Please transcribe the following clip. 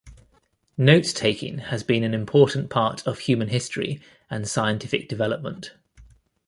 Note-taking has been an important part of human history and scientific development.